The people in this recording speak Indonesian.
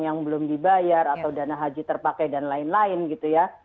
yang belum dibayar atau dana haji terpakai dan lain lain gitu ya